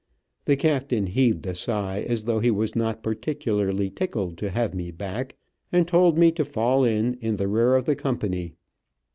The captain heaved a sigh, as though he was not particularly tickled to have me back, and told me to fall in, in the rear of the company.